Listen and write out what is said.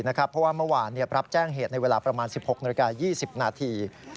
เพราะว่าเมื่อวานรับแจ้งเหตุในเวลาประมาณ๑๖นาฬิกา๒๐นาที